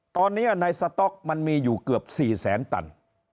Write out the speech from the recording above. ตอนนี้ในสต๊อกมันมีอยู่เกือบ๔แสนตัน